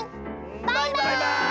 バイバーイ！